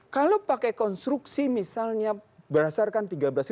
kalau pakai konstruksi misalnya berdasarkan tiga belas empat ratus